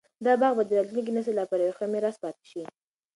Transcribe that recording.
دا باغ به د راتلونکي نسل لپاره یو ښه میراث پاتې شي.